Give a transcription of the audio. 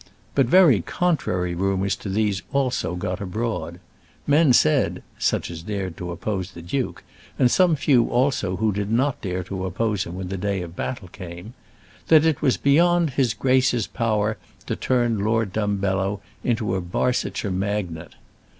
But very contrary rumours to these got abroad also. Men said such as dared to oppose the duke, and some few also who did not dare to oppose him when the day of battle came that it was beyond his grace's power to turn Lord Dumbello into a Barsetshire magnate.